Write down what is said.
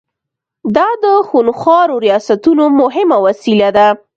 دا د خونخوارو ریاستونو مهمه وسیله ده.